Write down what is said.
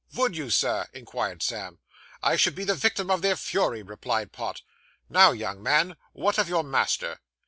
Vould you, sir?' inquired Sam. 'I should be the victim of their fury,' replied Pott. 'Now young man, what of your master?